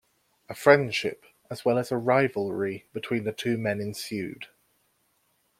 A friendship, as well as rivalry between the two men ensued.